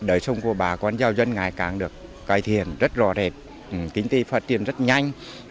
đời sống của bà con giáo dân ngày càng được cải thiện rất rõ rệt kinh tế phát triển rất nhanh